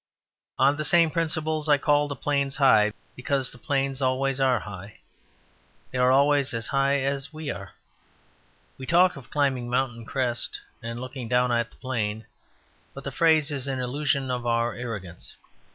On the same principles I call the plains high because the plains always are high; they are always as high as we are. We talk of climbing a mountain crest and looking down at the plain; but the phrase is an illusion of our arrogance.